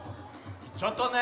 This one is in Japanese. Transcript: いっちゃったね。